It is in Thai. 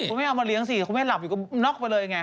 ไม่เอามาเลี้ยสิคุณแม่หลับอยู่ก็น็อกไปเลยไง